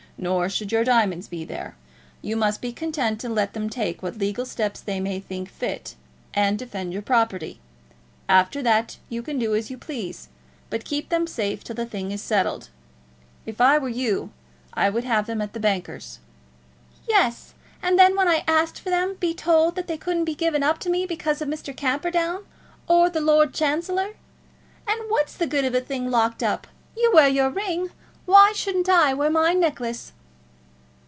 Nor should your diamonds be there. You must be content to let them take what legal steps they may think fit, and defend your property. After that you can do as you please; but keep them safe till the thing is settled. If I were you I would have them at the bankers." "Yes; and then when I asked for them be told that they couldn't be given up to me, because of Mr. Camperdown or the Lord Chancellor. And what's the good of a thing locked up? You wear your ring; why shouldn't I wear my necklace?"